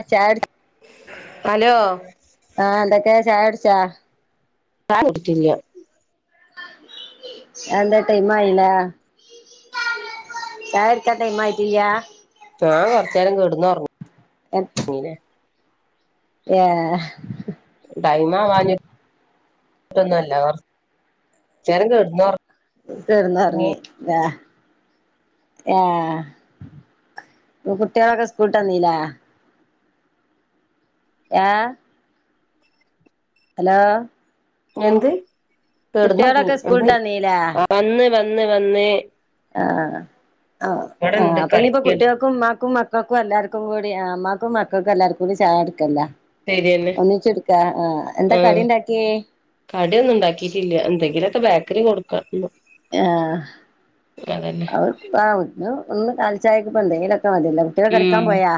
അ ചാര് ഹലോ ആഹ് എന്തൊക്കേ ചായുട്ച്ചാ? ചായ കുട്ച്ചില്യ എന്താ ടൈം ആയിലേ? ചായട്ച്ചാൻ ടൈമായിട്ടില്ല്യാ? ഞാൻ കൊർച്ചേരം കെട്ന്നൊർങ്ങിലെ ഏ തൊന്നുംല്ല കൊർ ച്ചേരം കെട്ന്നൊർ കെട്ന്നൊർങ്ങിലേ ഏ കുട്ടിയാളൊക്കെ സ്കൂൾട്ടന്നീലേ? ഏ ഹലോ എന്ത് കെട്ന്നൊർങ്ങി കുട്ടികളൊക്കെ സ്കൂളിട്ട് വന്നീല്ലേ ആ [unintelligible] വന്ന് വന്ന് വന്ന് ആഹ് ആ ആ ഇവിടെണ്ട് അപ്പൊഞ്ഞിപ്പോ കളിക്കാണ് കുട്ട്യാക്കും മ്മാക്കും മ ക്കക്കും എല്ലാർക്കും കൂടി ആ മ്മാക്കും മക്കക്കും എല്ലാർക്കും കൂടി ചായ എടുക്കല്ല ശരിയെന്നെ ഒന്നിച്ച്ട്ക്ക ആഹ് ആ എന്താ ആഹ് കടി ണ്ടാക്കിയേ? കടിയൊന്നും ഉണ്ടാക്കീട്ടില്ല എന്തെങ്കിലൊക്കെ ബേക്കറി കൊടുക്കാ ന്ന് ആഹ് അവർക്കു ആ ഒന്ന് ഒന്ന് കാലിചായക്ക്പ്പന്തെങ്കിലൊക്കെ മതില്ലോ കുട്ട്യേള് ഉം കളിക്കാൻ പോയാ?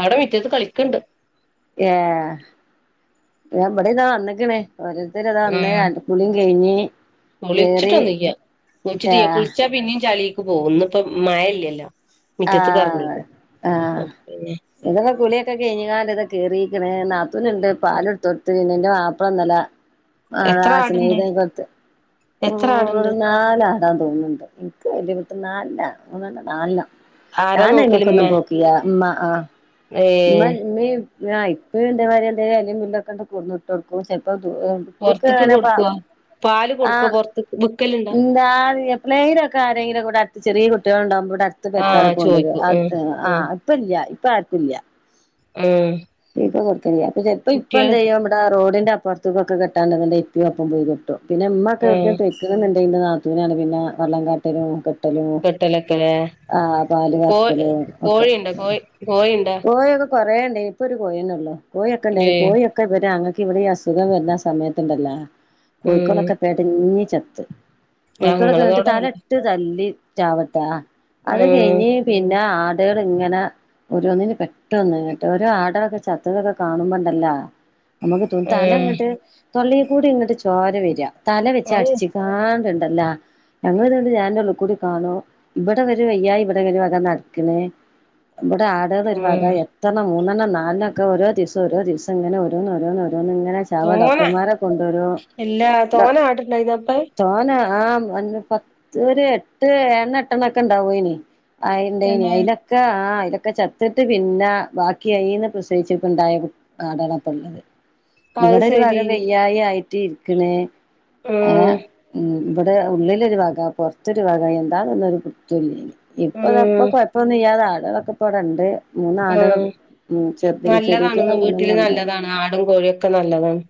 അവിടെ മിറ്റത്ത് കളിക്ക്ണ്ട് ഏ ബടെ താ വന്നക്ക്‌ണ് ഓരോരുത്തരതാ ന്നേ ആപു കുളിയും കഴിഞ്ഞ് കേറി കുളിച്ചിട്ടൊന്നുയ്യ കുളിച്ചിട്ടിയ്യ ആഹ് കുൾച്ചാ പിന്നീം ചളീ ക്ക് പോഉം ന്ന്ഇപ്പ മഴല്യല്ലോ ആഹ് ആഹ് പിന്നെ വരെ കുളിയൊക്കെ കഴിഞ്ഞ്കാണ്ട് ഇതൊക് കേറീക്ക്‌ണ് നാത്തൂന്ണ്ട് പാല്ട്ത്തൊട്ത്ത് പിന്നെന്റെ മാപ്പളന്നലെ എത്ര ആടുണ്ട് [unintelligible] എത്ര ആടുണ്ട് നാലാടാം തോന്ന്ണ്ട് [unintelligible] നാൽണ്ണാ മൂന്നെണ്ണം നാൽണ്ണം ആരാ നോക്കല് ഇമ്മ ഞാനയ്മക്കൊന്നും പോക്കില്ല. മ്മ ആ മ്മ ഏഹ് മ്മീം ആഹ് ഇപ്പിം ണ്ടേ മാരിന്തേ എലിം കുന്തൊക്കെണ്ട് കൊട്ന്ന്ട്ടൊട്ക്കും പൊറത്ത്ക്ക് ചെൽപ്പോ കൊടുക്കോ പാല് [unintelligible] ആ കൊടുക്കോ പൊറത്ത്ക്ക് വിക്കലുണ്ടോ ന്താണ് എപ്പളേങ്കിലൊക്കെ ആരേങ്കിലും കൂടെ അടു ചെറീ കുട് ട്ട്യാള്ണ്ടാവുമ്പോ ഇവ്ടെ അടുത് ആഹ് പെരക്കാരൊക്കെ കൊണ്ടോരും. ചോയിക്കും അത് ആഹ് എ ആഹ് ഇപ്പ ഇല്യ ഇപ്പ ആർക്കുല്യ. ഉം പ്പ തെട്ക്കില്യ. പ്പൊ ചെൽപ്പോ ഇപ്പ ന്തയ്യും ബ്ബടെ റോഡിന്റെ അപ്പർത്ത്ക്കൊക്കെട്ടാണ്ടങ്കിന്തെ ഇപ്പി ഒപ്പം പോയി കെട്ടും. പിന്നെ മ്മക്കെ ആഹ് എവ്ട്ക്കേം പൊയ്ക്ക്‌ണ്ന്ന്ണ്ടെ ന്റെ നാത്തൂനാണ് പിന്നെ വള്ളംകാട്ടലും ക്കെ ട്ടലും കെട്ടലൊക്കെലേ ആ പാല് കോ കർക്കലും ഒക്കെ കോഴിണ്ടോ കോഴി കോഴിണ്ടോ കോഴി ഒക്കെ കൊറേ ണ്ടേനി. ഇപ്പൊ ഒരു കോയിന്നൊള്ളു. കോയിയൊക്കെ ണ്ടേനു ഏഹ് കോഴി ഒക്കെ ഇവരാങ്ങ ക്കിവിടെ അസുഖം വരുന്ന സമയത്തുണ്ടല്ലോ ഉം കോഴിക്കൊളൊക്കെ പെടഞ് ചത്ത് കുളിക്കലൊ ക്കെ എന്നിട്ട് ഞങ്ങളതോടെ ഉം തല ഇട്ട് തല്ലി ചാവട്ടാ അത് കഴിഞ്ഞ് പിന്നെ കടകൾ ഇങ്ങനെ ഒരുോന്നിനന് പെട്ടൊന്ന് മറ്റോ ഓരോ ആടൊക്കെ ചത്തതൊക്കെ കാണുമ്പോണ്ടല്ലോ നമുക്ക് തോൻ തല ഉം ഇങ്ങട്ട് തൊള്ളേ കൂടെങ്ങട്ട് ചോര വര്അ. തല വെച്ച് ഔ അടിച്ചിക്കാണ്ടൻ അ ല്ല ഞങ്ങൾ ഇതണ്ട് ഞാൻന്റെ ഉള്ള കൂടി കാണോ ഇവിടെ വരും വയ്യാ ഇവിടെ വരു അതാ നടക്കണേ ബട ഉം എത്തണം മൂ ന്നെണ്ണം നാലണ്ണൊക്കെ ക്ക് ഓരോ ദിവസം ഓ ദിവസം ഇങ്ങനെഓരോന്നോരോന്ന് ന്ന ഇങ്ങനെ ചാവ തോനെ ഡോക്ടർമാരെ കൊണ്ടുവരും എല്ലാ തോനെ ആട്ണ്ടായിനോ അപ്പെ തോന ആഹ പത്ത് ഒരു എഴെണം എട്ട് എണ്ണ എട്ടെണ്ണ ഒക്കെ ഇണ്ടാവ പോയിനി ആയിണ്ട് തന്നെ അയിലൊക്കെ ആ അലൊക്കെ ച ത്തിട്ട് പിന്ന ബാക്കിയായിന്ന് പ്രസയിച്ചക്കണ്ടായ ആടാണ് പ്പ ള്ളത് അത് ഇവിടെ ഒരു വക സെരി വയ്യായി ആയിട്ട് ഇരിക്കണ് ആം ഇവിടെ ഉള്ളിലൊരു വഗ പുറത്തൊരു വഗ എന്താണന്നൊരു കുത്തൊലല്ലെന്ന് ഉം ഇപ്പതപ്പ കൊഴപ്പൊന്നും ഇ്യാതെ ആടുകളൊക്കെപ്പടണ്ട് മൂന്നാടുകൾ ഉം ഉ ചെറു ചെറിയറ്റീെ നല്ലതാണെന്ന് വീട്ടില് മൂന്നൊണ്ണു ണ്ട് നല്ലതാണ് ആടും കോഴിയൊക്കെ നല്ലതാണ്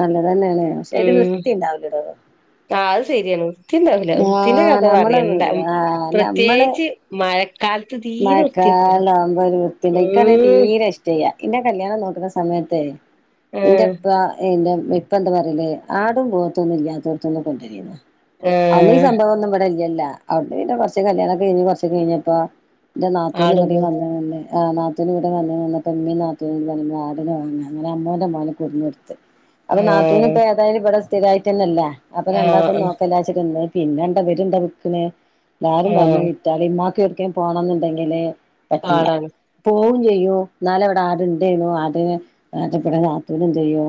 നല്ലതന്നയല്ലേ ശെ ഒരു വൃത്തി ഉണ്ടാവില്ലടോ ആ അത് ശരിയാണ് വൃത്തിണ്ടാവില്ല വൃത്തിന്റെ ആഹ് കഥ നമ്മളെ പറയണ്ട വീട് പ്രത്യേകിച്ച് മഴക്കാലത്ത് തീരെ വൃത്തിണ്ടാവൂല മഴക്കാല ആവുമ്പോ ഒരു വൃത്തിയിണ്ടാവില്ല ഇക്കാണ ഉം തീരെ ഇഷ്ട്ടല്യ എന്റെ കല്യാണം നോക്കുന്ന സമയത്തെ ആഹ് എന്റെപ്പന്റെ ഇപ്പ എന്താ പറയലേ ആടും പോത്തൊന്നും ഇല്ലാത്തോർത്തൊന്നും കൊണ്ടുവരില്ലെന്നഅത ഈ ആഹ് സംഭവം ഒന്നും ഇവിടെല്ല ഇല്ല ഇല്ല അവിടെ പിന്ന കുറ കല്യാണംക്കെ കഴിഞ്ഞ് കുറച്ചക്ക കഴിഞ്ഞപ്പ എന്റെ ആടും പോത്തും നാത്തൂനന് ആ നാത്തൂനന്ന് കൂടെ വന്ന്പ്പംമ്മീ നാത്തൂനും പറഞ്ഞ് ആടി നെ വങ്ങ അങ്ങനെ അമ്മോൻ് അമ്മമാന കുടുഞ്ഞെടുത്ത് അത് നാത്തൂ ന് ആഹ് ഇപ്പൊ ഏതായാല ഇവിടെ സ്ഥിരമായിട്ട്ന്നല്ല അപ്പൊ രണ്ടാക്കും ആഹ് നോക്കല്ലച്ചരി് പിന്നെണ്ടവരുണ്ട വി ക്ക്ന് എല്ലാരും പറഞ്ഞു ആഹ് വിറ്റാല് ഉമ്മാക്ക എടക്കൻ പോണം എന്നുണ്ടെങ്കില് പറ്റൂല പാടാണ് പോക ചെയ്യോ എന്നാല എവിടെ ആടുണ്ടായിന് ചെയ്യണു ആട ആടെ രാത്തടെന്ത് ചെയ്യോ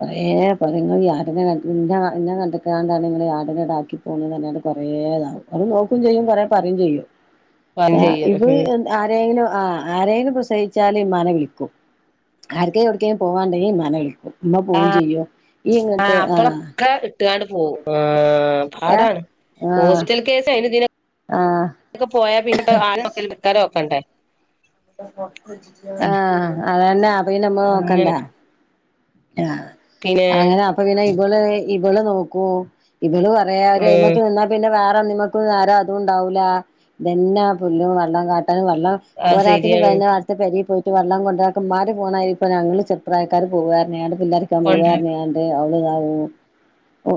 കുറയെ പറയും നിങ്ങൾആ ടിനെ ഇന്നെ കണ്ടക്കാണ്ടാണ് നിങ്ങൾ യാടിനടാക്കി പോുന്നത് തട്ട കൊറ ഏതാ അവ നോക്കയും ചെയ്യും പറയാ പറയും ചെയ്യും പാം ചെയ്യും ഇത് ഉം ആരെങ്കിലും ആ ആരേും പ്രസവി ച്ചാലും ഇമ്മാനെ വിളിക്കും ആർക്കും എവിടക്കേും പോകുകണ്ടെങ്കിൽ ഇമ്മാനെ വിളിക്കും ഇ മ്മ പോവും ചെയ്യോ ഈ എങ്ങട്ടെ ആഹ ഇ ട്ടുകാണ്ട് പോവും ആ പാടാണ് ആ ഹോസ്പിറ്റൽ കേസെ നൊക്കെ ആ ക്കെ പോയാ പിന്നീ ആടി നൊക്കെ വിക്കാല നോക്കണ്ടേ ആഹ അതന്നെ അപ്പ നമ്മൾ അങ്ങനെ നോക്കണ്ടേ ആഹ പിന്നെ അങ്ങനെ അപ്പൊ പിന്നെ ഇവള് ഇവള് നോക്കോ ഇവള് പറയാ ഒരു ഉം മക്ക് നിന്നാ പിന്നെ വേറെ നിമക്ക് നേരും അതുംണ്ടാവില്ല ഇതന്നെ പുല്ലും വെള്ളം കാ വെള്ളം അത് പോരാത്രി ശരിയാണ് വേുന്ന വളത്ത് പെരേ ക പോയി്ട്ട് റ്റ വെള്ളം കൊണ്ടാക്കൻമാര് പോകണ ഇപ്പ ഞങ്ങള് ചെറു പ്രാ യക്കാർ പോവുകാരെയണ്ട് പിള്ളേർരിക്കാൻ കൊണ്ടരാൻ പോവന്നെയാണ്ട്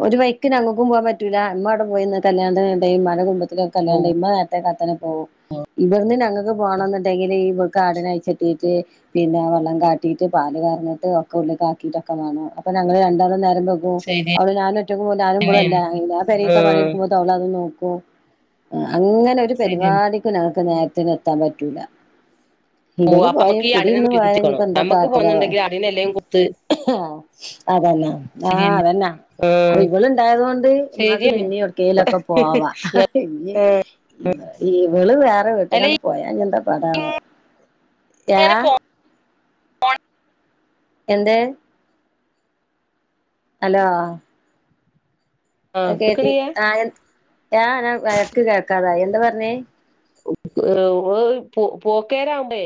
ഒരു വൈക്കിന് അങ്ങക്കും പോകാൻ പറ്റൂല്ല എമ്മ അവിടെ പോയിന്ന് കല്യാണ മഴ്പ ല്ലാ പോകും ണ്ടായിഇമ്മ നേരത്തെ കത്തനെ പോകും ഇവിടെനമ്മക്ക് പോണം എന്നുണ്ടെങ്കിൽ ഈ കാടിനയച്ചിട്ട് പിന്നെ വെള്ളം കാട്ടിയിട്ട് പാ ല് കറന്നിട്ട് കൂട്ടിലോക്കാക്കിട്ട് ക്കെ വേണം അപ്പൊ ഞങ്ങൾ രണ്ടാളും നേ ശരിയെന്നേണ് അവഞാനും ഒറ്റക്ക് മല്ല പെരെ ലത്തെ പണി ആഹ് എടുക്കുമ്പോ അവളത് നോക്കും പോകും അങ്ങനെ ഒരു ശരിയെന്നെ പരിപാടിക്കും ഞങ്ങൾക്ക് നേരത്തിന് എത്താൻ പറ്റൂല ഓ ഇവള് അപ്പൊ പോയ കുടിയിരുന്ന് നമുക്ക്ഈടിനെ പോയാ കുത്തിക്കോണോ ഇനിയിപ്പോ നമുക്ക് പോകുന്നുണ്ടെങ്കിൽ അടിനെ എല്ലേും കുത്ത് ആ അതന്നെ ആഹ് ശരിയന്നെ അതന്നെ ആ അപ്പൊ ഇവള ഇണ്ടായത് കൊൊണ്ട് ഉമാക്ക് ശരിയാണ് പിന്നെ എവിടേക്കേലുംഓക്കെപോവ്വാ ഹ ഹാ ഈ വിള് വേറെ വീട്ട അല്ല കണ്ട് പോയാന്താ ഇങ്ങനെ [unintelligible] പോ എന്താ? അലോ ആ കേട്ടി കേക്കണിയ്യ ആ ഞാ വക്ക് കേൾക്കാതാ എന്താ പറഞ്ഞേ ഏ പോക്കേരാവണ്ടേ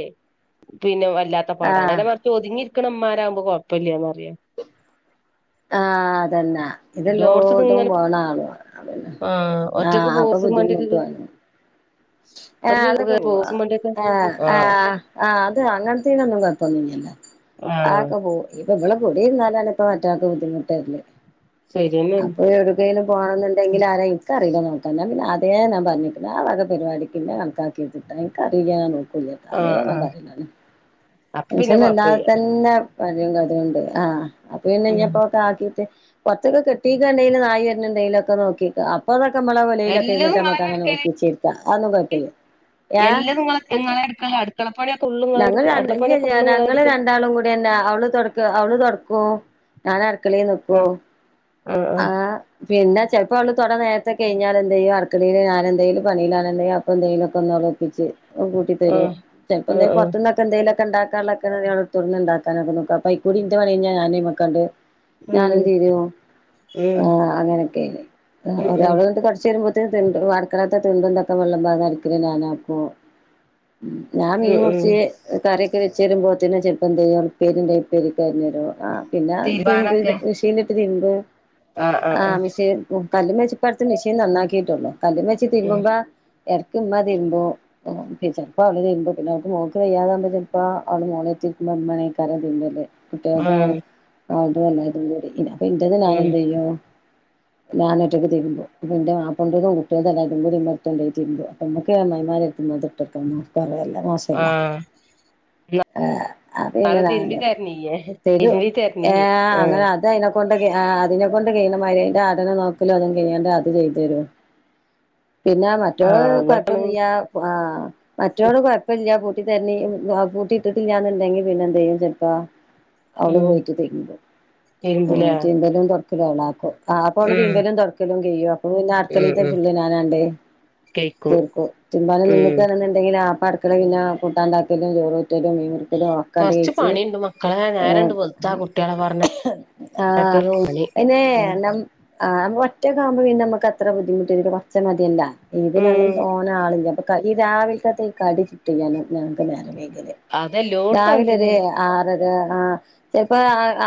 പിന്നെ ല്ലാത്ത ആ പാടാണ് നേരെ മറിച്ച് ഒതുങ്ങി ഇരിക്കണമാരാകുമ്പോ കുഴപ്പില്ലന്ന്റിയ ആഹ അതന്നെ. ഇതെല്ലോട്ടും ഇങ്ങനെ പോണ ആളു ആ ആഹ ഒറ്റക്ക് അപ്പൊ പോസും വണ്ടിയൊക്കെ ബുദ്ധിമുട്ടുവു ആ അതൊക്കെ ഒറ്റക്ക് പോവാ പോസും വണ്ടിയൊക്കെ ആ ആ ആ് അത് അങ്ങനത്തന ഒന്നും കൊഴപ്പന്നില്ല ആ ആക പോ ഇപ്പൊ ഇവിടെ കൂടിരുന്നാലാല ഇപ്പ മറ്റൊൾക്കക്ക് ബുദ്ധിമുട്ടല്ലേ ശരിയന്നെയാണ് അപ്പൊ എവിടക്കും പോകണംെന്നണ്ടെങ്കിൽ ആരും എനിക്ക അറിയില്ല നോക്ക പിന്ന അത ാ പറഞ്ഞിട്ട പരിപാടിിക്കിന്നെ ആൾക്കാക്കിട്ട എനക്ക് അറിയാനാണ് നോക്ക ആ ആ അതേന്നാ പറയില അപ്പൊ പിന്നെ മനഷ്യന എല്ലാെ കൊഴപ്പല്ല്യ തന്നെ പരും കതുണ്ട് ആഹ് അപ്പ പിന്നെ ഉം ഇപ്പോൊക്കെ ആക്കിയിട്ട് പച്ചൊക്കെ കെട്ടീ എണ്ടെലും നായര എണ്ടെങ്കലും ഒക്കെ നോക്കി അപ്പൊ മ്മള വലയിലൊക്കെ ഇിട്ട് എല്ലതും നമ്മക്ക് ഇങ്ങളന്നെ അങ്ങനെ എടുക്കല് നോക്കിേക്കാം അതും കുഴപ്പമില്ല. [unintelligible] എല്ലതും ഇങ്ങള് ഇങ്ങളെ എടുക്കല് അടുക്കളപ്പണിയൊക്കെ ഫുള്ള് ഇങ്ങളെ ഞങ്ങൾ ഇ അടുക്കളപ്പണിയൊക്കെ ഫുള്ള് ഇങ്ങളെ ഞങ്ങള് എടുക്കല് രണ്ടാളും കൂടി തന്നെ അവള് തുടക്ക അവള് തുടക്കും ഞാന അടുക്കള നോക്കുവ ആഹ് ആഹ് ആഹ പിന്നെ ചിലപ്പോൾള് തുടെ നേരത്തെ കഴിഞ്ഞാൽ എന്ത ചെയ്യും അടുക്കളയി ഞാൻ എന്തേിലും പണിലാണെങ്കിൽ അപ്പൊ എന്തെലുംൊക്കെ ഒന്ന് ഉറപ്പച്ച് കൂട്ടി തരും ആഹ് ചെപ്പോ ആഹ് എന്തേും ആഹ് പുറുന്നൊക്കെ എന്തെൊെ ക്കെണ്ടാക്കാനുള്ളൊക്ക തുറന്ന്ണ്ടാക്കാനൊക്ക നോക്ക പൈക്ക എന്ത്ാണ കഴിഞ്ഞാഞെയക്കാണ്ട് ഉം ഞാനും ഉം തീരുോ ആ ഉം അങ്ങനൊക്കെ ഉം ഒരാള കടച്ച്ു തരുമ്പോ തി വാടക്കളത്തെ തിണ്ടന്തൊക്കെ വെള്ളമ്പോതരിക്കല ഞാനാപ്പ ഞാൻ ഈ ഉം ഉം മുൂർച്ചിയ കാര്യ വെച്ച തരുമ്പോേന്നെ ചെലപ്പം എന്ത ചെയ്യ ഉപ്പരിക് അറിഞ്ഞു തരും പിന്നെ ആ തിരുമ്പാനൊക്കെ തിരുമ്പിയ ് ആഹ് ആഹ് ആ ആഹ് മെഷൻ കല് മച്ചപ്പടുത്ത് മെഷീൻ നന്നാക്കിയിട്ടുള്ള ക ഉം തിരുമ്പുബ ഇടക്ക് ഇമ്മതിരുമ്പോ ചിലപ്പോ അവള്രുമ്പോ പിന്ന അവർക്ക്ോക്ക് വയ്യാതാകുമ്പോ ചെപ്പോ അവള് മോള [unintelligible] കുട്ടികതും ആഹ് ആും എല്ല ഇതടി അപ്പൊ ഇറേത് ഞാൻ ഉം എന്ത് ചെയ്യോ ഞൻ ഒറ്റക് തീക്കുമ്പോ പിന്റെ മാപ്പണ്ടതും കുട്ടികും അല്ല മറത്തോണ്ട തീു അപ്പൊക്കമായിമാ എടു വട്ടക്ക പറ മോശല്ല ആഹ് ആഏ അ പിന്നെ ന്നാലും തിരുമ്പി ഞാന് തരണില്ലേ തരൂ തിരുമ്പി ഏ തരണില്ലേ ആഹ് അങ്ങനെ അത് അതിനെക്കൊണ്ടൊെ അതിനെക്കൊണ്ട് കഴ മേന്റെ ആടനെ നോക്കല്ലോ അതും കഴിയാണ്ട് അത് ചെയ്തു തരുും പിന്നെ മറ്റോള് ആഹ് ന്നാട്ടാണ് കൊഴപ്പൊന്നില്ല ആ മറ്റോട് കൊഴപ്പില്ല. പട്ടി ത പൂട്ടി ഇട്ടൽ ഞാൻ ഉണ്ടെങ്കി പിന്നെ എന്ത ചെയ്യും ചെിലപ്പാ അവള് ഉം പോയിട്ട് തിരുമ്പും തിരുമ്പൂലേ തിരുമ്പാലും തൊടകല്ലുമ്മ അവളക്കും ആ അപ്പോള് ഉം തീമ്പലും തുൊക്കലും ക്യും അപ്പ പിന്നെ ഉം ആക്കളീ ഉം ഫുള്ള കഴിക്കും തീർക്കോ രുമ്പാന ഉം നിന്നക്കണെന്നുണ്ടെങ്കിൽ ആ പടക്കല പിന്നെ കൂട്ടാണ്ടാക്കിയലും ചോറ റ്റ മീമക്കലോ ആക്കാണ്ട് കൊറച്ച് കഴച്ച് പണിയുണ്ട് മക്കളെ നേരണ്ട് വെളുത്താ കുട്ടികളെ ആഹ പറഞ്ഞയക്കലും പണി പിന്നെ ഉം ന. ആ് ഒറ്റക്ക ആവുമ്പോൾ പിന്നെ നമുക്ക് അത്ര ബുദ്ധിമുട്ട് കുറച്ച മതിയല്ല ഇത് ഞങ്ങള്ൾ ഉം തോന്നാ ആളില്ലപ്പൊ ഈ രാവിലക്കകത്ത് ഈ കടി ചുട്ട്ിക്കാനും ഞങ്ങൾക്ക് നേരെ വേ അതെല്ലോടത്തും രാവിലെ ഒരു അങ്ങനെതന്നെയാണ് ആറ് അ ഇപ്പ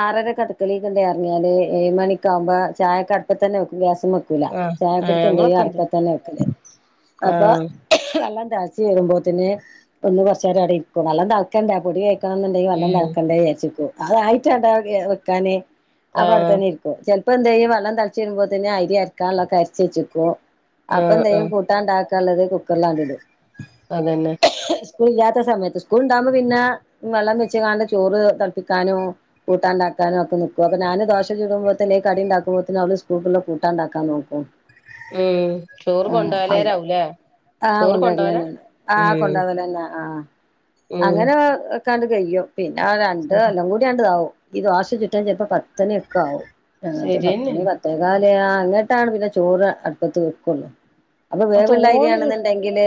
ആറരക്ക് അടുക്കളയിക്ക് ഇങ്ണ്ട് റങ്ങിയാല് എഴ് മണിക്ക് അ ക്ക്വുമ്പോ ചായക്ക് അ തന്നെ നക്കും ഗ്യാസും വെക്കൂല ആഹ് ചായ കുടുക്ക എന്ത ചെയ്യും ഞങ്ങളൊക്കെ അടപ്പാ അങ്ങനെതന്നെ തന്നെ വെക്കല് അപ്പൊ ആഹ് വെള്ളാം തിളച്ച് വരുമ്പോ തിന്ഒന്ന് കുറച്ച് നേരം അവിടെ ഇരിക്കും നല്ലംതിളക്കണ്ടേ പൊടി ഉം [unintelligible] വെക്കാന് അപ്പ അടുത്ത ആഹ് തന്നെ ഇരിക്കും ചിലപ്പോ എന്തേയും വള്ളം തിളച്ച് വരുമ്പോ തന്നെ അരി അരക്കാനുള്ളൊക്കെ അരച്ച വെച്ചക്കും. അപ്പൊ ആഹ് ആഹ് എന്ത്യും കൂട്ടാണ്ടാക്കള്ളത് കുക്കറിലാണ്ട ഇടും. അതന്നെ. സ്കൂൾ ഇല്ലാത്ത സമയത്ത് സ്കൂൾ ഉണ്ടാവുമ്പോ പിന്നെ വെള്ളം വെച്ച് ക ചോറ് തളപ്പിക്കാനോ കൂട്ടാണ്ടാക്ക ആാക്കാനും ഒക്കെ നക്കും അപ്പൊഞാന് ദോശ ചുടുമ്പോത്തനെ കട ഉണ്ടാക്കുമ്പോത്തേ അവള് സ്കൂളുള്ള കൂട്ടാണ്ടാക്കൻ നോക്കും. ഉം ചോറ് കൊണ്ട ആ ലേരാവൂലേ? ആഹ് കൊണ്ടരലന്ന ആഹ് കൊണ്ടാവലന്നെ ആഹ്. ഉം അങ്ങനെ കാണ്ട് കഴും പിന്നെ രണ്ട് ശരി എല്ലം കൂടി ആണ്ടാവും ദോശ ചുട്ടാ ചിലപ്പോ പത്തണൊക്കെ ആകവും ഞങ്ങ പത്തണ ശരിയെന്നേണ് പത്തേ ക അ ഇന്നിട്ടാണ്പിന്നെ ചോറ് അടുപ്പത്ത് വെക്കുള്ളൂ. അപ്പൊ അത് തോനെ ചുട് വേവള്ളായിരിയാണെന്നുണ്ടെങ്കില്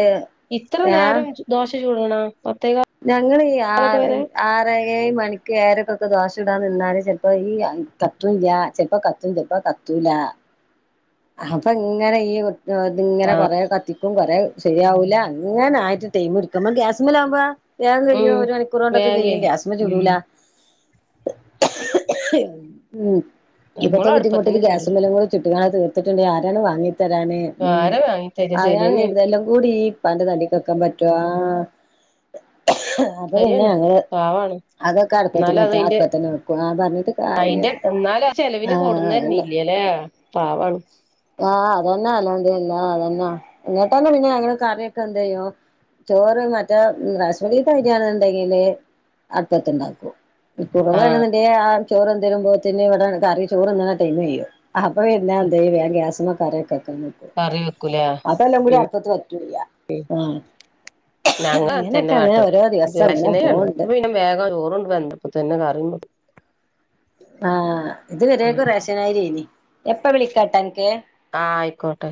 ഇത്ര നേരം ദോശ ചൂടണോ പത്തേ കാല് ഞങ്ങള് ഈ ആറ് അറ എഴ് മണിക്ക് ഏഴര ദോഷ ചുടാൻ നിന്നാല് ചിലപ്പോ ഈ കത്തൂല്യ ചെലപ്പോ കത്തും ചെൽ പ്പ കത്തൂല. അപ്പൊ ഇങ്ങനെ ഈ ഇത് ഇങ്ങനെ കൊറേ കത്തി ക്കും കൊറേ ശരിയാവൂല്ല അങ്ങനെ ആയിട്ട് ടൈം എടുക്കും ഗ്യാസ്മല് ആവുമ്പോ വേം ഉം കഴിയും ഒരു മണിക്കൂർ വേം കൊണ്ടൊക്കെ െകയ്യും കയ്യും ഗ്യാസമ ഉം ചുടൂല. ഉം ഇപ്പത്തെ ഞങ്ങളും ബുദ്ധിമുട്ടില് അടുപ്പത്തന്നെ ഗ്യാസുമ ചുടല് [unintelligible] ഇങ്ങനെ തീർത്തിട്ടുണ്ട്ങ്കില് ആരാണ് വാങ്ങി തരാന് ഉം ആരാ വാങ്ങി തരാ ആരാണ് ശരിയെന്നേണ് ഇതെല്ലാം കൂടി ഈ പ്പാന്റെ തടിക്ക് വക്കാൻ പറ്റുവാ അപ്പൊ പിന്നെ ശരിയാണ് ഞങ്ങ പാവാണ് അതൊക്കെ അടുപ്പത്തി എന്നാലും മ അത് അയിന്റെ അടുപ്പത്തിന വെക്കും ആ പറഞ്ഞിട്ട് കാര്യില്ല അയിന്റെ ആ. ഏ പാവാണ് ആഹ് അതന്നെ അൽഹംദുലില്ലാഹ് അതന്നെ എന്നിട്ടനെ ഞങ്ങള് കറി വെക്കാൻ എന്തെ യ്യു ചോറ് മറ്റ റേഷൻ അരി ആണ്ന്നുണ്ടെങ്കില് അടുപ്പത്തന്നെ വെക്കും കുറുവ ആഹ് യാണങ്കില് ആ ചോറ് എന്തരുമ്പോത്തിന് ഇവിടെ കറി ചോറ് തിന്ന് ണ ടൈ മയും അപ്പൊ പിന്നെ എന്ത യും വേഗം ഗ്യാസ് മ്മെ കറിക്കെ വെക്കും കറി വെക്കൂലേ മറ്റല്ലാം കൂടി അടുപ്പത്ത് വെക്കും ഉം. ഞങ്ങളും അങ്ങനെ തന്നെ കാട്ടല് ദിവസം ഗ്യാസ് അങ്ങനെ പോവ്ണ്ട് [unintelligible] [unintelligible] ആഹ് ഇത് വരേക്കും റേഷൻ അരി ആയിന് ഇപ്പ വിളിക്കാട്ടെ അൻക്ക് ഓക്കെ